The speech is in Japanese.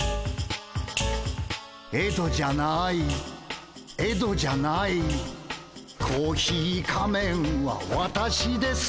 「エドじゃないエドじゃない」「コーヒー仮面は私です」